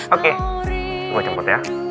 oke gua jemput ya